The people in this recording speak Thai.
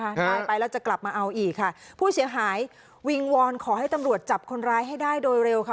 ตายไปแล้วจะกลับมาเอาอีกค่ะผู้เสียหายวิงวอนขอให้ตำรวจจับคนร้ายให้ได้โดยเร็วค่ะ